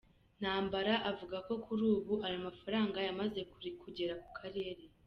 Ntambara avuga ko kuri ubu ayo mafaranga yamaze kugera ku karere.